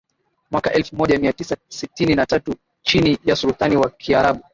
mwaka elfu moja mia tisa sitini na tatu chini ya Sultani wa Kiarabu